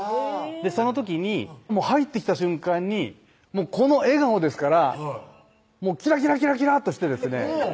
その時に入ってきた瞬間にもうこの笑顔ですからキラキラキラキラッとしてですね